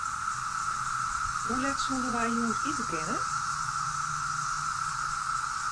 Hoe let soenen wy jûns ite kinne?